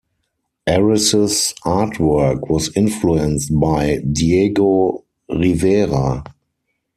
Ariss's artwork was influenced by Diego Rivera.